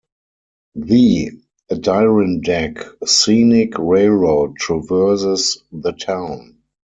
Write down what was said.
The Adirondack Scenic Railroad traverses the town.